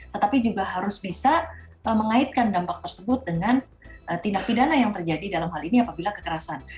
tetapi juga harus bisa mengaitkan dampak tersebut dengan tindak pidana yang terjadi dalam hal ini apabila kekerasan